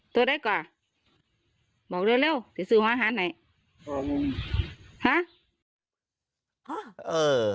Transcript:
ตัวไดก่อนบอกเร็วเร็วสิเจอวันขาดนั้นไหนฮะ